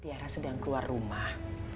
tiara sedang keluar rumah